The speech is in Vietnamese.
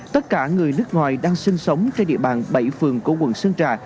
tất cả người nước ngoài đang sinh sống trên địa bàn bảy phường của quận sơn trà